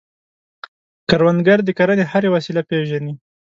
کروندګر د کرنې هره وسیله پېژني